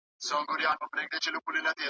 که پوهاوی زیات سوی وي نو تعصب نه پیاوړی کیږي.